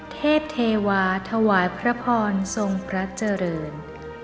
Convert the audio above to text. เทพเทวาถวายพระพรทรงพระเจริญ